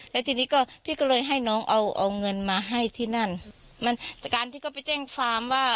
แล้วทีนี้ก็พี่ก็เลยให้น้องเอาเอาเงินมาให้ที่นั่นมันจากการที่เขาไปแจ้งความว่า